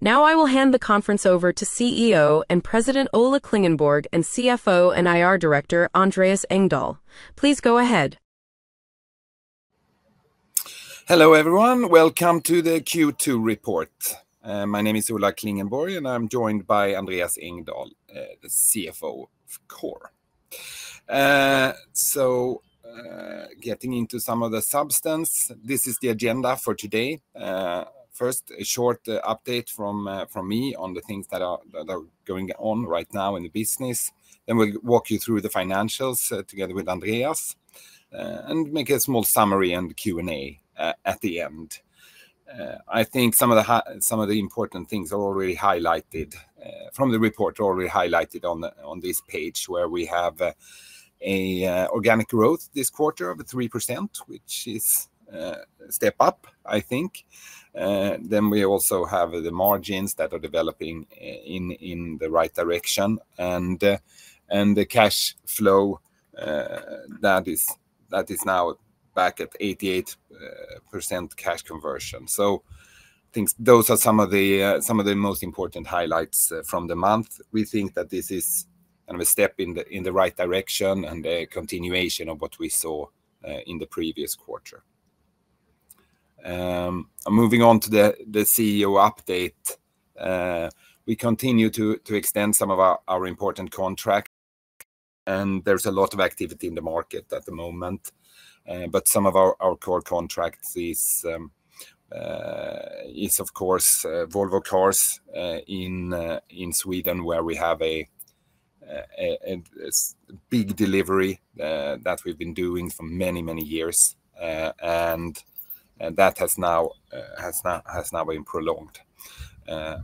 Now I will hand the conference over to CEO and President Ola Klingenborg and CFO and IR Director Andreas Engdahl. Please go ahead. Hello everyone, welcome to the Q2 report. My name is Ola Klingenborg and I'm joined by Andreas Engdahl, the CFO of Coor. Getting into some of the substance, this is the agenda for today. First, a short update from me on the things that are going on right now in the business. We'll walk you through the financials together with Andreas and make a small summary and Q&A at the end. I think some of the important things are already highlighted from the report, already highlighted on this page where we have an organic growth this quarter of 3%, which is a step up, I think. We also have the margins that are developing in the right direction and the cash flow that is now back at 88% cash conversion. I think those are some of the most important highlights from the month. We think that this is kind of a step in the right direction and a continuation of what we saw in the previous quarter. Moving on to the CEO update, we continue to extend some of our important contracts and there's a lot of activity in the market at the moment. Some of our core contracts are of course Volvo Cars in Sweden where we have a big delivery that we've been doing for many, many years, and that has now been prolonged.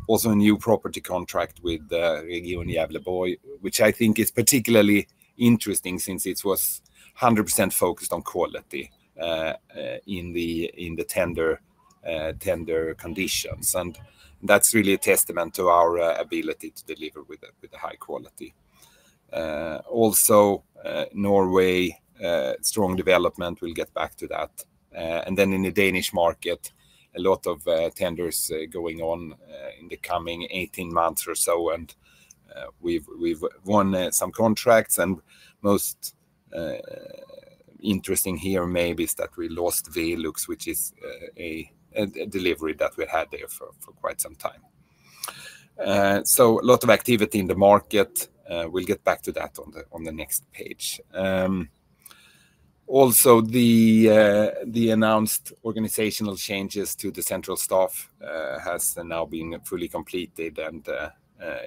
Also, a new property contract with Region Gävleborg, which I think is particularly interesting since it was 100% focused on quality in the tender conditions. That's really a testament to our ability to deliver with high quality. Also, Norway, strong development, we'll get back to that. In the Danish market, a lot of tenders going on in the coming 18 months or so. We've won some contracts and most interesting here maybe is that we lost Velux, which is a delivery that we had there for quite some time. A lot of activity in the market, we'll get back to that on the next page. The announced organizational changes to the central staff have now been fully completed and are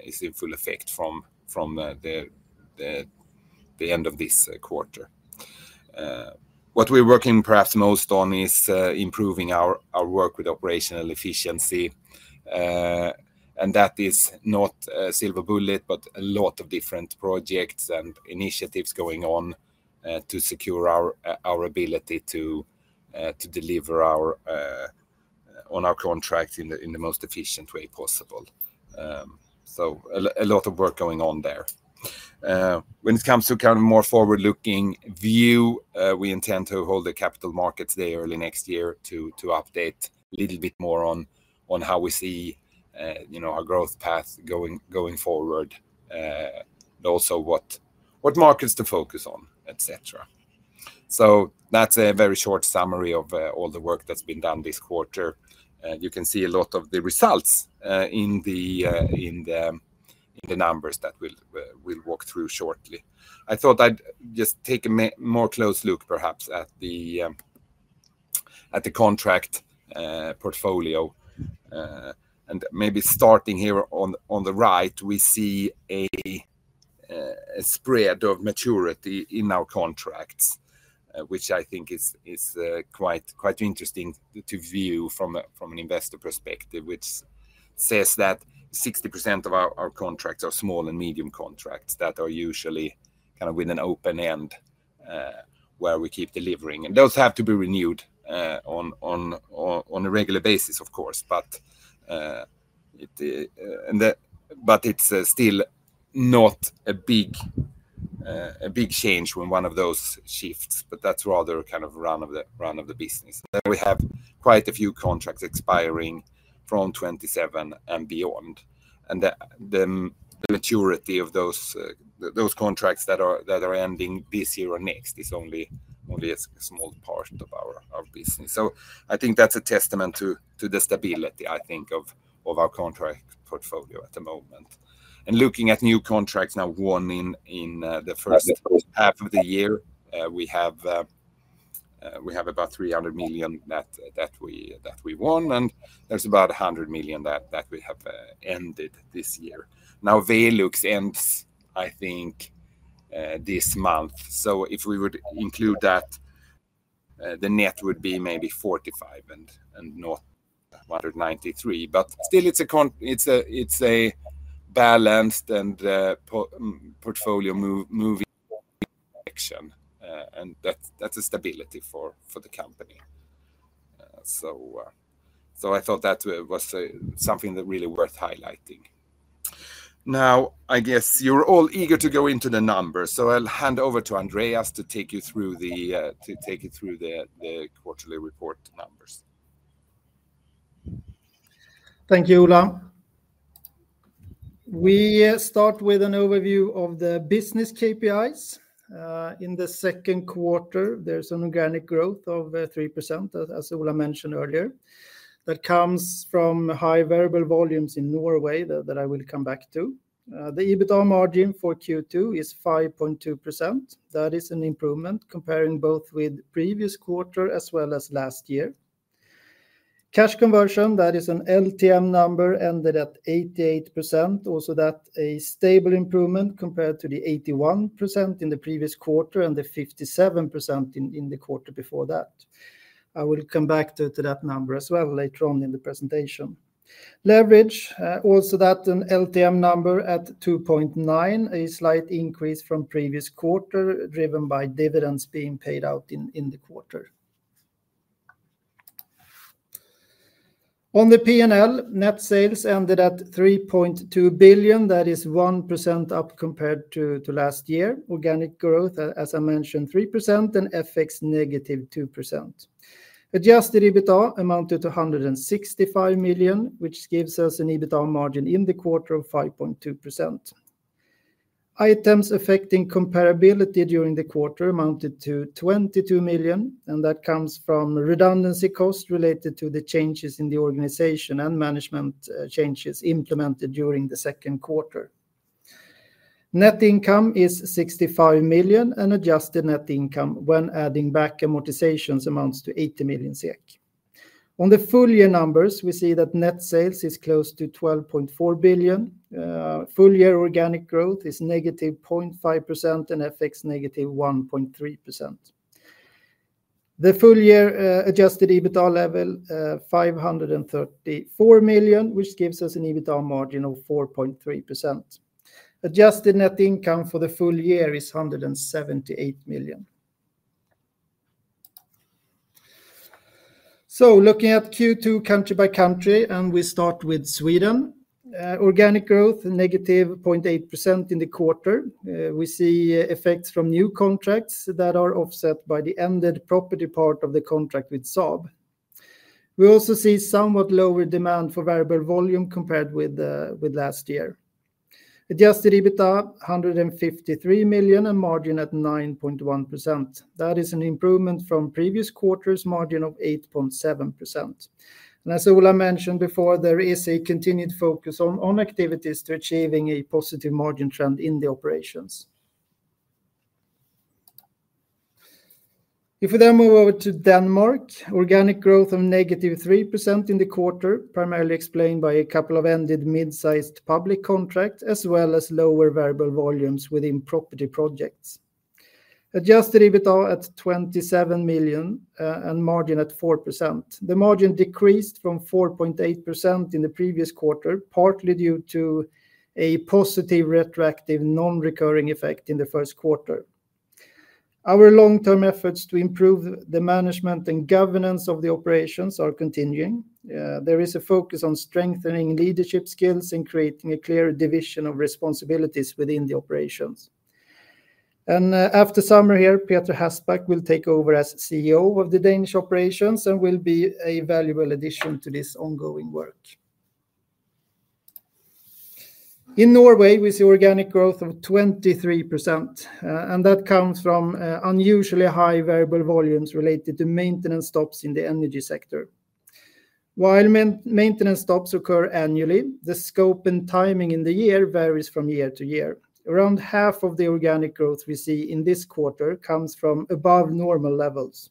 in full effect from the end of this quarter. What we're working perhaps most on is improving our work with operational efficiency. That is not a silver bullet, but a lot of different projects and initiatives going on to secure our ability to deliver on our contract in the most efficient way possible. A lot of work going on there. When it comes to kind of a more forward-looking view, we intend to hold a capital markets day early next year to update a little bit more on how we see our growth path going forward, but also what markets to focus on, etc. That's a very short summary of all the work that's been done this quarter. You can see a lot of the results in the numbers that we'll walk through shortly. I thought I'd just take a more close look perhaps at the contract portfolio. Perhaps starting here on the right, we see a spread of maturity in our contracts, which I think is quite interesting to view from an investor perspective, which says that 60% of our contracts are small and medium contracts that are usually kind of with an open end where we keep delivering. Those have to be renewed on a regular basis, of course. It's still not a big change when one of those shifts, that's rather kind of a run of the business. We have quite a few contracts expiring from 2027 and beyond. The maturity of those contracts that are ending this year or next is only a small part of our business. I think that's a testament to the stability, I think, of our contract portfolio at the moment. Looking at new contracts now won in the first half of the year, we have about 300 million that we won. There's about 100 million that we have ended this year. Velux ends, I think, this month. If we would include that, the net would be maybe 45 million and not 193 million. It's a balanced and portfolio-moving section. That's a stability for the company. I thought that was something that really worth highlighting. I guess you're all eager to go into the numbers. I'll hand over to Andreas to take you through the quarterly report numbers. Thank you, Ola. We start with an overview of the business KPIs. In the second quarter, there's an organic growth of 3%, as Ola mentioned earlier. That comes from high variable volumes in Norway that I will come back to. The EBITDA margin for Q2 is 5.2%. That is an improvement comparing both with the previous quarter as well as last year. Cash conversion, that is an LTM number, ended at 88%. Also, that's a stable improvement compared to the 81% in the previous quarter and the 57% in the quarter before that. I will come back to that number as well later on in the presentation. Leverage, also that's an LTM number, at 2.9, a slight increase from the previous quarter driven by dividends being paid out in the quarter. On the P&L, net sales ended at 3.2 billion. That is 1% up compared to last year. Organic growth, as I mentioned, 3% and FX -2%. Adjusted EBITDA amounted to 165 million, which gives us an EBITDA margin in the quarter of 5.2%. Items affecting comparability during the quarter amounted to 22 million, and that comes from redundancy costs related to the changes in the organization and management changes implemented during the second quarter. Net income is 65 million and adjusted net income when adding back amortizations amounts to 80 million SEK. On the full year numbers, we see that net sales is close to 12.4 billion. Full year organic growth is -0.5% and FX -1.3%. The full year adjusted EBITDA level is 534 million, which gives us an EBITDA margin of 4.3%. Adjusted net income for the full year is 178 million. Looking at Q2 country by country, and we start with Sweden. Organic growth negative 0.8% in the quarter. We see effects from new contracts that are offset by the ended property part of the contract with Saab. We also see somewhat lower demand for variable volume compared with last year. Adjusted EBITDA 153 million and margin at 9.1%. That is an improvement from previous quarter's margin of 8.7%. As Ola mentioned before, there is a continued focus on activities to achieving a positive margin trend in the operations. If we then move over to Denmark, organic growth of -3% in the quarter, primarily explained by a couple of ended mid-sized public contracts as well as lower variable volumes within property projects. Adjusted EBITDA at 27 million and margin at 4%. The margin decreased from 4.8% in the previous quarter, partly due to a positive retroactive non-recurring effect in the first quarter. Our long-term efforts to improve the management and governance of the operations are continuing. There is a focus on strengthening leadership skills and creating a clear division of responsibilities within the operations. After summer here, Peter Hasbak will take over as CEO of the Danish operations and will be a valuable addition to this ongoing work. In Norway, we see organic growth of 23%. That comes from unusually high variable volumes related to maintenance stops in the energy sector. While maintenance stops occur annually, the scope and timing in the year varies from year to year. Around half of the organic growth we see in this quarter comes from above normal levels.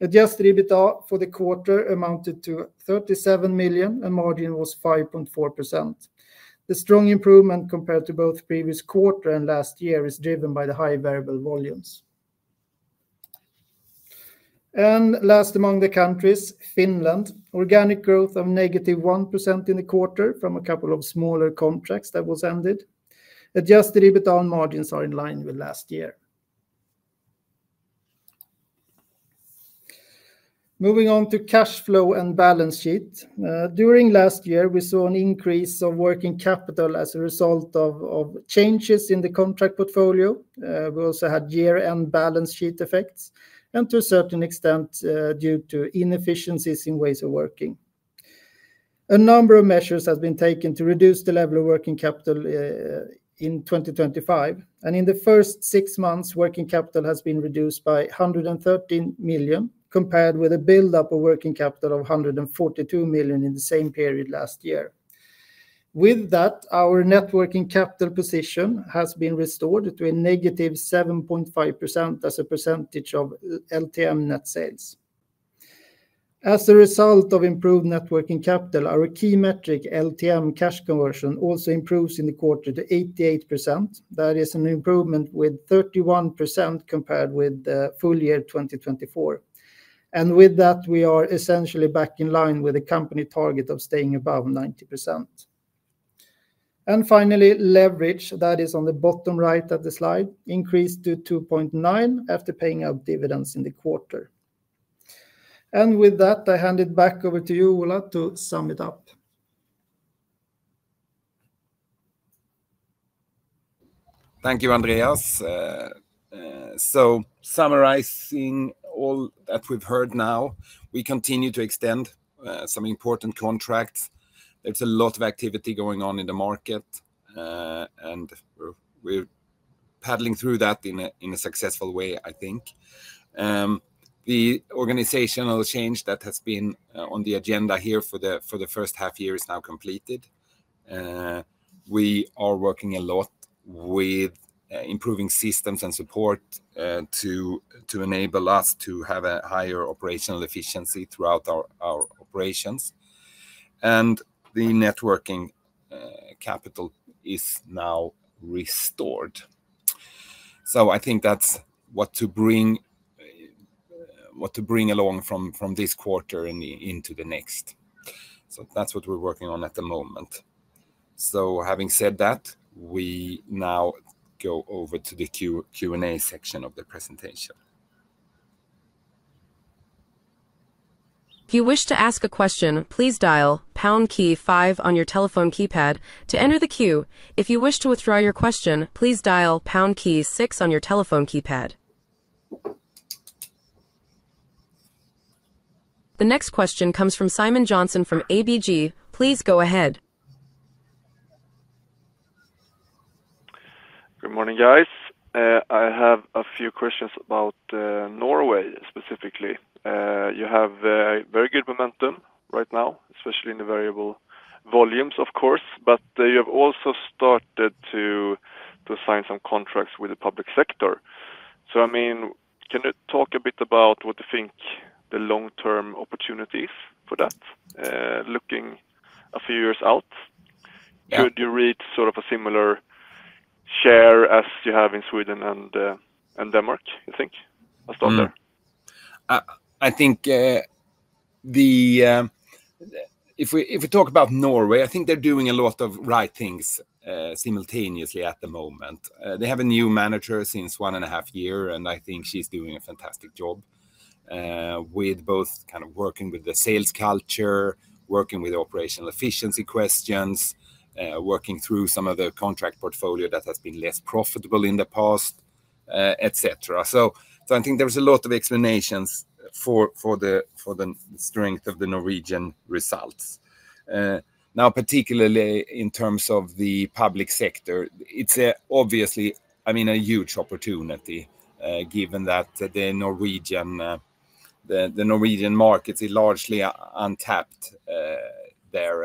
Adjusted EBITDA for the quarter amounted to 37 million and margin was 5.4%. The strong improvement compared to both the previous quarter and last year is driven by the high variable volumes. Last among the countries, Finland, organic growth of -1% in the quarter from a couple of smaller contracts that were ended. Adjusted EBITDA and margins are in line with last year. Moving on to cash flow and balance sheet. During last year, we saw an increase of working capital as a result of changes in the contract portfolio. We also had year-end balance sheet effects and to a certain extent due to inefficiencies in ways of working. A number of measures have been taken to reduce the level of working capital in 2025. In the first six months, working capital has been reduced by 113 million compared with a buildup of working capital of 142 million in the same period last year. With that, our net working capital position has been restored to a negative 7.5% as a percentage of LTM net sales. As a result of improved net working capital, our key metric, LTM cash conversion, also improves in the quarter to 88%. That is an improvement of 31% compared with the full year 2024. With that, we are essentially back in line with the company target of staying above 90%. Finally, leverage that is on the bottom right of the slide increased to 2.9x after paying out dividends in the quarter. With that, I hand it back over to you, Ola, to sum it up. Thank you, Andreas. Summarizing all that we've heard now, we continue to extend some important contracts. There's a lot of activity going on in the market, and we're paddling through that in a successful way, I think. The organizational change that has been on the agenda here for the first half year is now completed. We are working a lot with improving systems and support to enable us to have a higher operational efficiency throughout our operations. The net working capital is now restored. I think that's what to bring along from this quarter and into the next. That's what we're working on at the moment. Having said that, we now go over to the Q&A section of the presentation. If you wish to ask a question, please dial pound key five on your telephone keypad to enter the queue. If you wish to withdraw your question, please dial pound key six on your telephone keypad. The next question comes from Simon Johnson from ABG. Please go ahead. Good morning, guys. I have a few questions about Norway specifically. You have very good momentum right now, especially in the variable volumes, of course. You have also started to sign some contracts with the public sector. Can you talk a bit about what you think the long-term opportunities for that are looking a few years out? Could you reach sort of a similar share as you have in Sweden and Denmark, you think, as a starter? I think if we talk about Norway, I think they're doing a lot of right things simultaneously at the moment. They have a new manager since one and a half years, and I think she's doing a fantastic job with both kind of working with the sales culture, working with operational efficiency questions, working through some of the contract portfolio that has been less profitable in the past, etc. I think there's a lot of explanations for the strength of the Norwegian results. Now, particularly in terms of the public sector, it's obviously, I mean, a huge opportunity given that the Norwegian market is largely untapped there.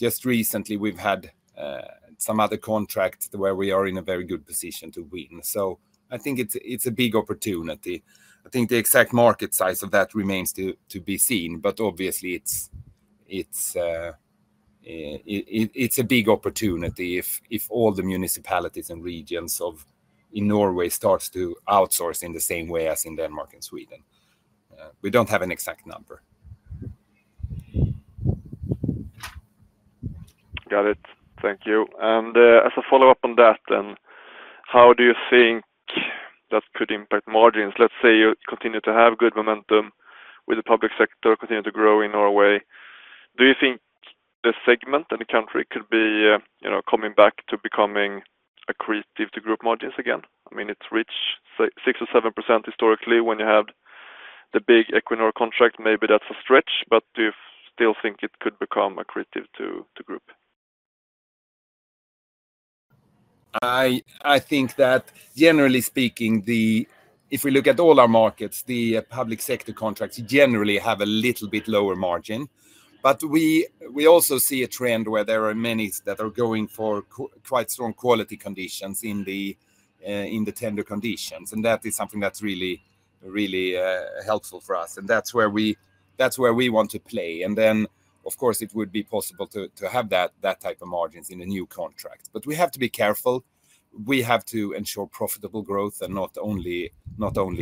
Just recently, we've had some other contracts where we are in a very good position to win. I think it's a big opportunity. I think the exact market size of that remains to be seen, but obviously, it's a big opportunity if all the municipalities and regions in Norway start to outsource in the same way as in Denmark and Sweden. We don't have an exact number. Thank you. As a follow-up on that, how do you think that could impact margins? Let's say you continue to have good momentum with the public sector, continue to grow in Norway. Do you think the segment and the country could be coming back to becoming accretive to group margins again? I mean, it's reached 6% or 7% historically when you had the big Equinor contract. Maybe that's a stretch, but do you still think it could become accretive to group? I think that generally speaking, if we look at all our markets, the public sector contracts generally have a little bit lower margin. We also see a trend where there are many that are going for quite strong quality conditions in the tender conditions. That is something that's really, really helpful for us. That's where we want to play. Of course, it would be possible to have that type of margins in a new contract. We have to be careful. We have to ensure profitable growth and not only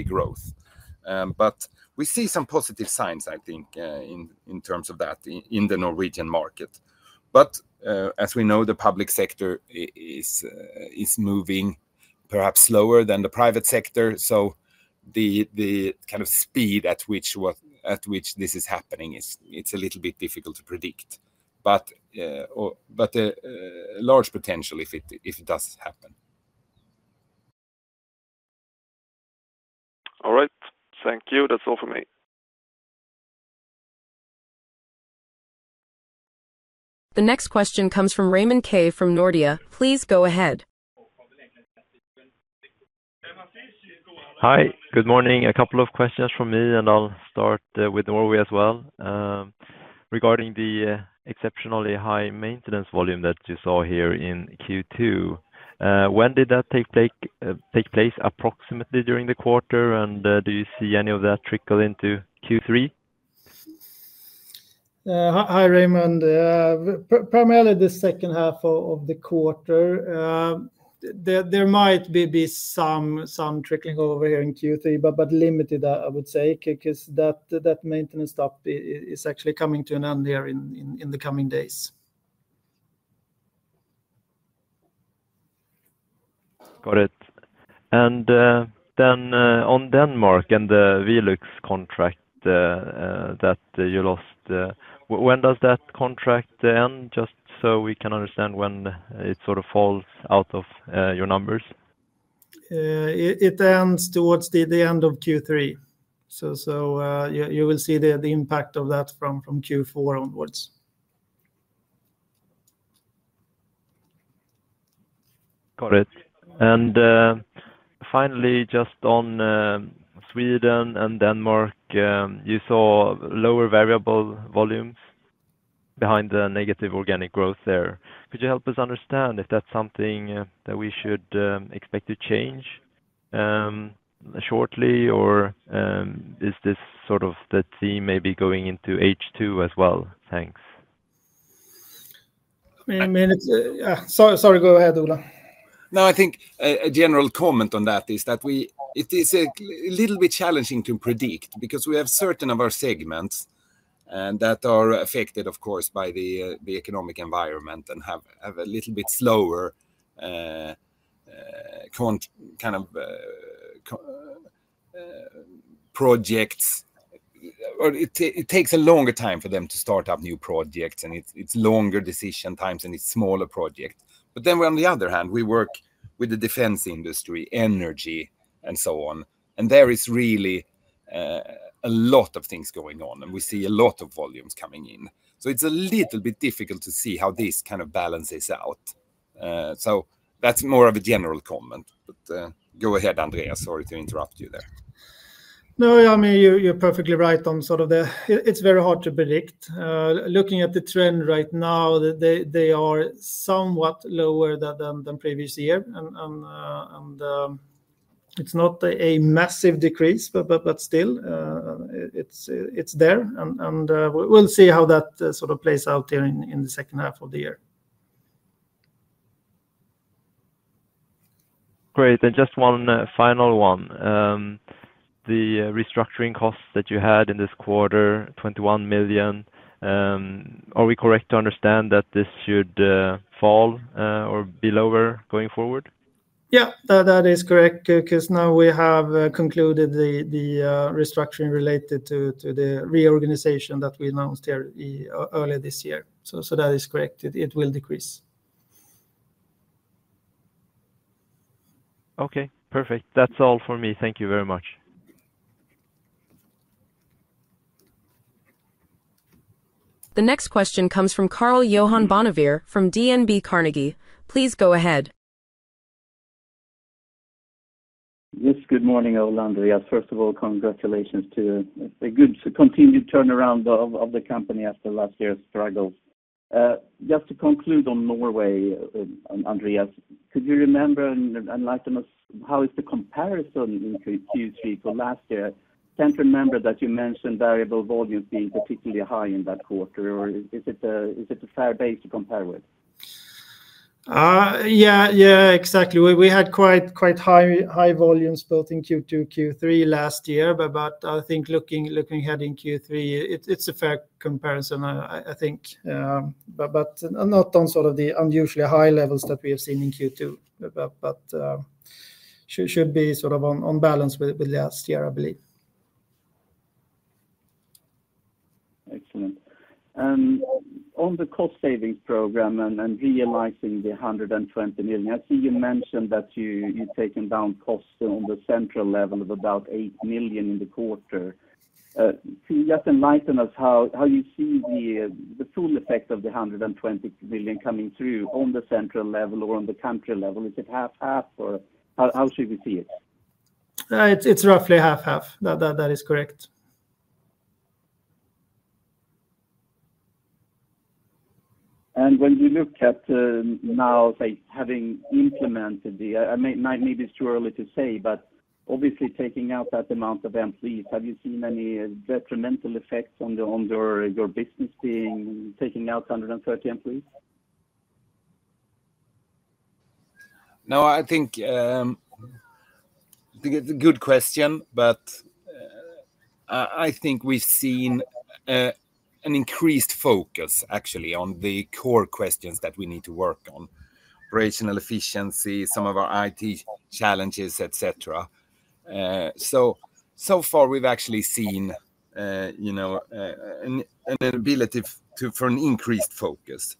growth. We see some positive signs, I think, in terms of that in the Norwegian market. As we know, the public sector is moving perhaps slower than the private sector. The kind of speed at which this is happening, it's a little bit difficult to predict. A large potential if it does happen. All right. Thank you. That's all for me. The next question comes from Raymond Kei from Nordea. Please go ahead. Hi. Good morning. A couple of questions from me, and I'll start with Norway as well. Regarding the exceptionally high maintenance volume that you saw here in Q2, when did that take place approximately during the quarter? Do you see any of that trickle into Q3? Hi, Raymond. Primarily the second half of the quarter. There might be some trickling over here in Q3, but limited, I would say, because that maintenance stop is actually coming to an end here in the coming days. Got it. On Denmark and the Velux contract that you lost, when does that contract end? Just so we can understand when it sort of falls out of your numbers. It ends towards the end of Q3. You will see the impact of that from Q4 onwards. Got it. Finally, just on Sweden and Denmark, you saw lower variable volumes behind the negative organic growth there. Could you help us understand if that's something that we should expect to change shortly? Is this sort of the theme maybe going into H2 as well? Thanks. I mean, sorry, go ahead, Ola. No, I think a general comment on that is that it is a little bit challenging to predict because we have certain of our segments that are affected, of course, by the economic environment and have a little bit slower kind of projects. It takes a longer time for them to start up new projects, and it's longer decision times and it's smaller projects. On the other hand, we work with the defense industry, energy, and so on. There is really a lot of things going on, and we see a lot of volumes coming in. It's a little bit difficult to see how this kind of balances out. That's more of a general comment. Go ahead, Andreas. Sorry to interrupt you there. No, I mean, you're perfectly right on sort of the... It's very hard to predict. Looking at the trend right now, they are somewhat lower than the previous year. It's not a massive decrease, but still, it's there. We'll see how that sort of plays out here in the second half of the year. Great. Just one final one. The restructuring costs that you had in this quarter, 21 million. Are we correct to understand that this should fall or be lower going forward? Yeah, that is correct because now we have concluded the restructuring related to the reorganization that we announced earlier this year. That is correct. It will decrease. Okay, perfect. That's all for me. Thank you very much. The next question comes from Karl-Johan Bonnevier from DNB Carnegie. Please go ahead. Yes, good morning, Ola and Andreas. First of all, congratulations to a good continued turnaround of the company after last year's struggles. Just to conclude on Norway, Andreas, could you remember and enlighten us how is the comparison in Q3 to last year? I can't remember that you mentioned variable volumes being particularly high in that quarter. Is it a fair base to compare with? Yeah, exactly. We had quite high volumes both in Q2 and Q3 last year. I think looking ahead in Q3, it's a fair comparison, I think. Not on sort of the unusually high levels that we have seen in Q2, but it should be sort of on balance with last year, I believe. Excellent. On the cost savings program and realizing the 120 million, I see you mentioned that you've taken down costs on the central level of about 8 million in the quarter. Could you just enlighten us how you see the full effect of the 120 million coming through on the central level or on the country level? Is it half-half, or how should we see it? It's roughly half-half. That is correct. When you look at now, say, having implemented the... I mean, maybe it's too early to say, but obviously taking out that amount of employees, have you seen any detrimental effects on your business being taking out 130 employees? I think it's a good question, but I think we've seen an increased focus, actually, on the core questions that we need to work on: operational efficiency, some of our IT challenges, etc. So far, we've actually seen an ability for an increased focus.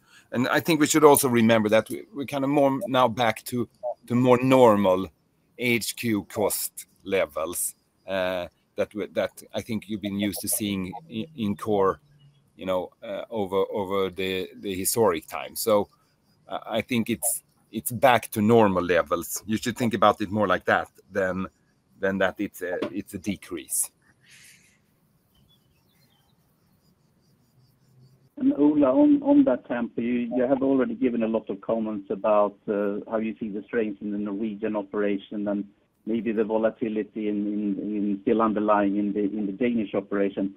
I think we should also remember that we're kind of more now back to more normal HQ cost levels that I think you've been used to seeing in Coor, you know, over the historic time. I think it's back to normal levels. You should think about it more like that than that it's a decrease. Ola, on that camp, you have already given a lot of comments about how you see the strength in the Norwegian operation and maybe the volatility still underlying in the Danish operation.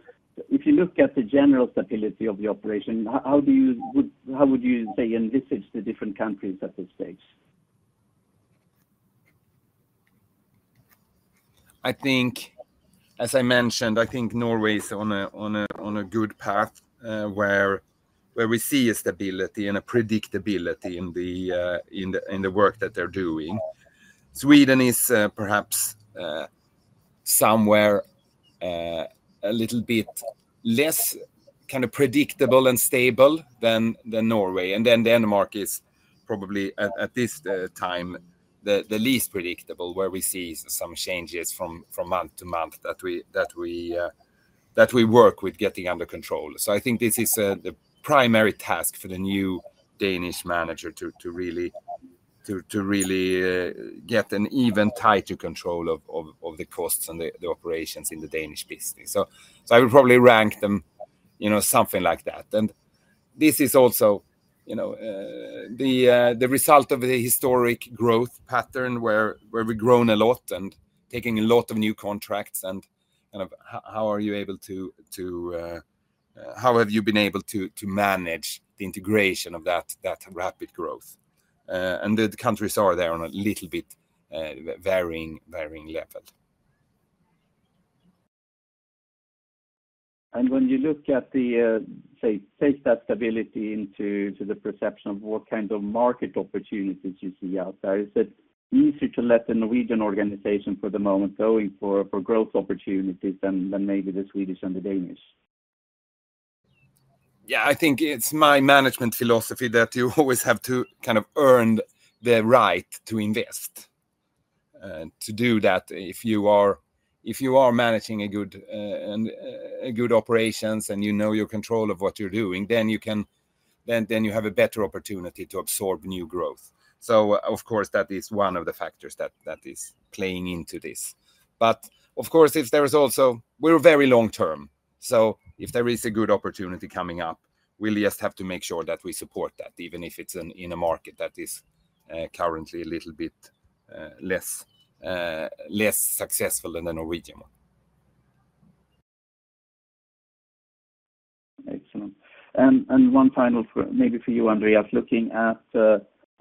If you look at the general stability of the operation, how would you say envisage the different countries at this stage? I think, as I mentioned, I think Norway is on a good path where we see a stability and a predictability in the work that they're doing. Sweden is perhaps somewhere a little bit less kind of predictable and stable than Norway. Denmark is probably at this time the least predictable, where we see some changes from month to month that we work with getting under control. I think this is the primary task for the new Danish manager to really get an even tighter control of the costs and the operations in the Danish business. I would probably rank them something like that. This is also the result of the historic growth pattern where we've grown a lot and taken a lot of new contracts. Kind of how are you able to... How have you been able to manage the integration of that rapid growth? The countries are there on a little bit varying level. When you look at that stability into the perception of what kind of market opportunities you see out there, is it easier to let the Norwegian organization for the moment go for growth opportunities than maybe the Swedish and the Danish? I think it's my management philosophy that you always have to kind of earn the right to invest. To do that, if you are managing a good operation and you know your control of what you're doing, then you have a better opportunity to absorb new growth. Of course, that is one of the factors that is playing into this. If there is also a good opportunity coming up, we'll just have to make sure that we support that, even if it's in a market that is currently a little bit less successful than the Norwegian one. Excellent. One final maybe for you, Andreas, looking at,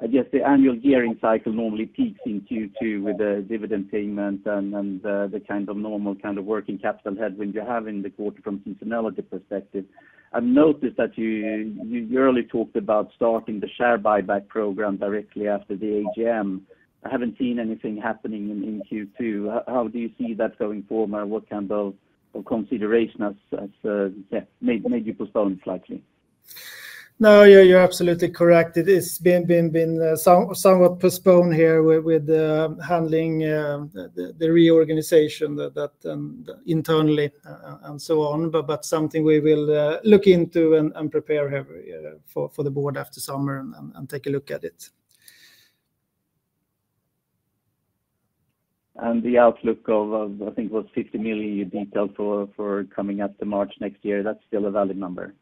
I guess, the annual gearing cycle normally peaks in Q2 with a dividend payment and the kind of normal kind of working capital headwind you have in the quarter from a seasonality perspective. I've noticed that you earlier talked about starting the share buyback program directly after the AGM. I haven't seen anything happening in Q2. How do you see that going forward? What kind of considerations have made you postpone slightly? No, you're absolutely correct. It's been somewhat postponed here with handling the reorganization internally and so on, but something we will look into and prepare for the board after summer and take a look at it. The outlook of, I think it was 50 million you detailed for coming after March next year, that's still a valid number.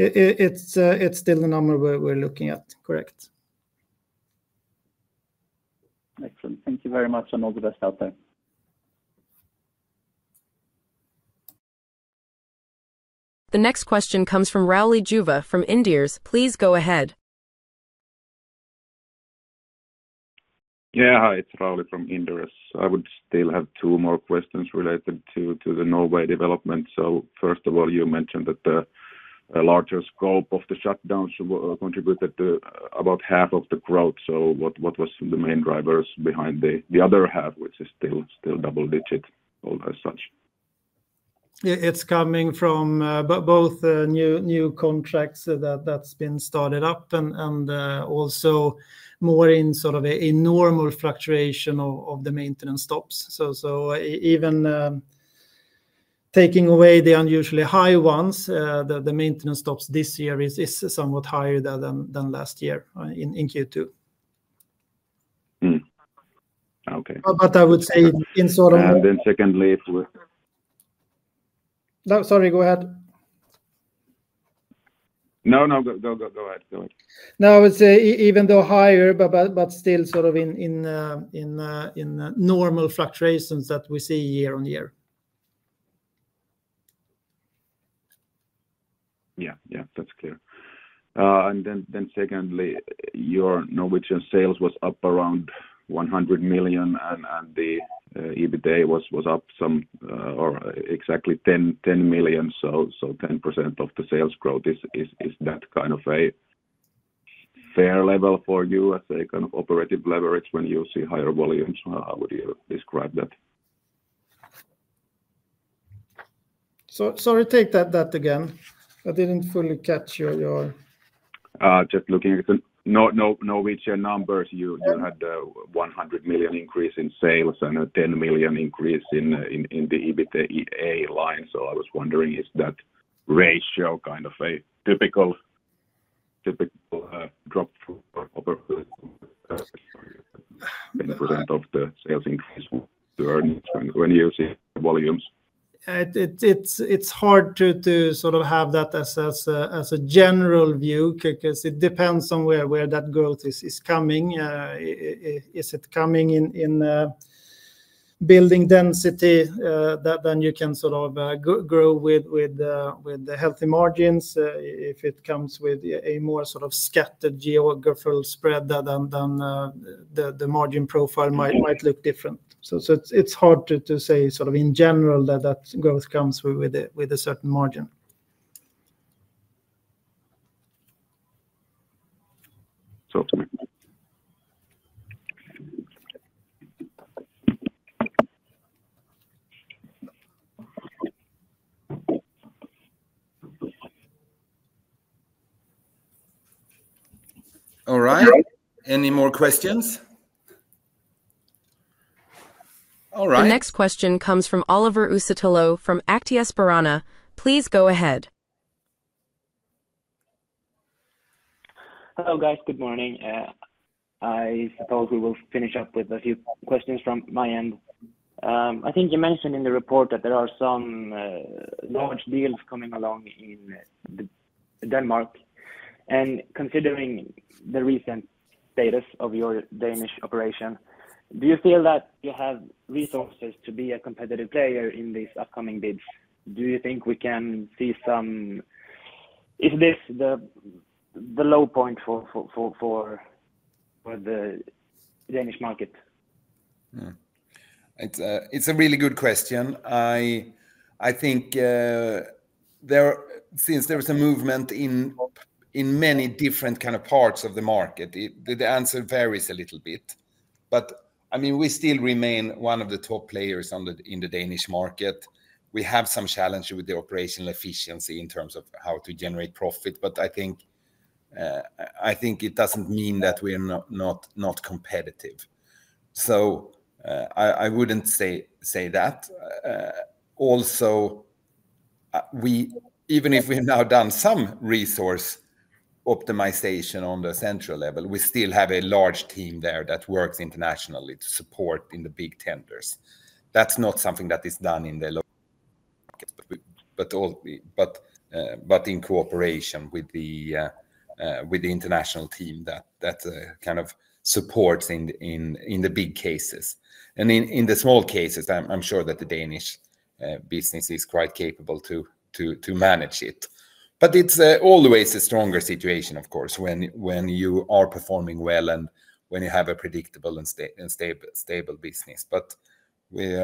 It's still the number we're looking at, correct. Excellent. Thank you very much, and all the best out there. The next question comes from Rauli Juva from Inderes. Please go ahead. Yeah, hi, it's Rauli from Inderes. I would still have two more questions related to the Norway development. First of all, you mentioned that the larger scope of the shutdown contributed to about half of the growth. What was the main drivers behind the other half, which is still double-digit as such? It's coming from both new contracts that have been started up and also more in sort of a normal fluctuation of the maintenance stops. Even taking away the unusually high ones, the maintenance stops this year are somewhat higher than last year in Q2. Okay. I would say in sort of... Secondly, if we... No, sorry, go ahead. No, go ahead. No, I would say even though higher, but still sort of in normal fluctuations that we see year on year. Yeah, that's clear. Secondly, your Norwegian sales were up around 100 million and the EBITDA was up some or exactly 10 million. 10% of the sales growth, is that kind of a fair level for you as a kind of operative leverage when you see higher volumes? How would you describe that? Sorry, take that again. I didn't fully catch your... Just looking at the Norwegian numbers, you had a 100 million increase in sales and a 10 million increase in the EBITDA line. I was wondering if that ratio is kind of a typical drop of the sales increase to earnings when you see volumes. It's hard to sort of have that as a general view because it depends on where that growth is coming. Is it coming in building density that then you can sort of grow with healthy margins? If it comes with a more sort of scattered geographical spread, the margin profile might look different. It's hard to say in general that growth comes with a certain margin. All right. Any more questions? All right. The next question comes from Oliver Ussitalo from Aktiespararna. Please go ahead. Hello, guys. Good morning. I suppose we will finish up with a few questions from my end. I think you mentioned in the report that there are some large deals coming along in Denmark. Considering the recent status of your Danish operation, do you feel that you have resources to be a competitive player in these upcoming bids? Do you think we can see some... Is this the low point for the Danish market? It's a really good question. I think since there was a movement in many different kind of parts of the market, the answer varies a little bit. I mean, we still remain one of the top players in the Danish market. We have some challenge with the operational efficiency in terms of how to generate profit. I think it doesn't mean that we're not competitive. I wouldn't say that. Also, even if we've now done some resource optimization on the central level, we still have a large team there that works internationally to support in the big tenders. That's not something that is done in the... in cooperation with the international team that kind of supports in the big cases. In the small cases, I'm sure that the Danish business is quite capable to manage it. It's always a stronger situation, of course, when you are performing well and when you have a predictable and stable business. We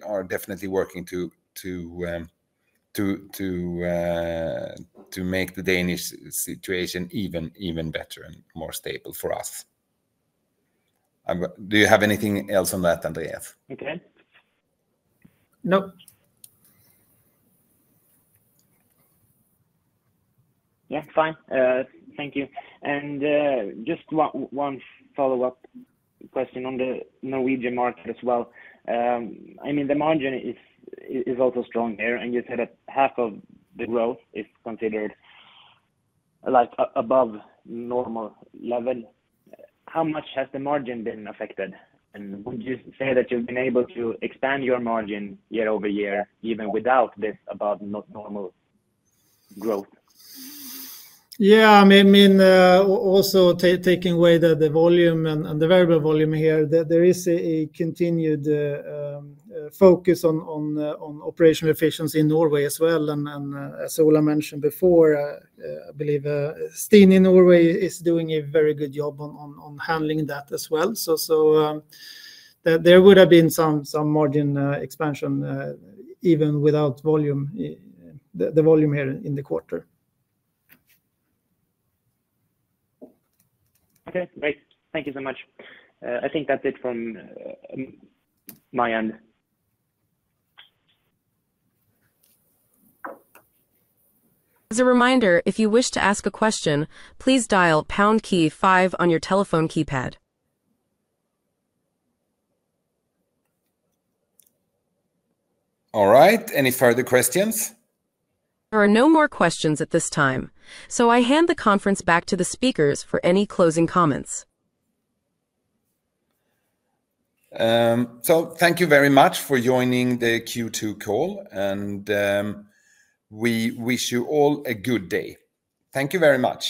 are definitely working to make the Danish situation even better and more stable for us. Do you have anything else on that, Andreas? Nope. Thank you. Just one follow-up question on the Norwegian market as well. The margin is also strong here. You said that half of the growth is considered like above normal level. How much has the margin been affected? Would you say that you've been able to expand your margin year over year, even without this above normal growth? Yeah, I mean, also taking away the volume and the variable volume here, there is a continued focus on operational efficiency in Norway as well. As Ola mentioned before, I believe Steen in Norway is doing a very good job on handling that as well. There would have been some margin expansion even without the volume here in the quarter. Okay, great. Thank you so much. I think that's it from my end. As a reminder, if you wish to ask a question, please dial the pound key and five on your telephone keypad. All right. Any further questions? There are no more questions at this time. I hand the conference back to the speakers for any closing comments. Thank you very much for joining the Q2 call. We wish you all a good day. Thank you very much.